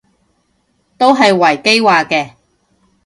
都係維基話嘅